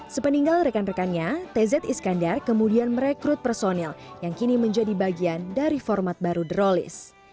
sepeninggal rekan rekannya tz iskandar kemudian merekrut personil yang kini menjadi bagian dari format baru drolis